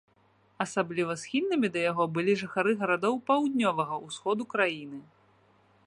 Асабліва схільнымі да яго былі жыхары гарадоў паўднёвага ўсходу краіны.